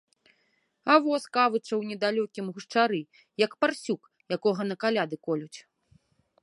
А во скавыча ў недалёкім гушчары, як парсюк, якога на каляды колюць.